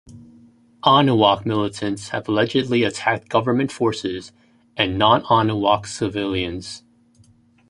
Anuak militants have allegedly attacked Government forces and non-Anuak civilians.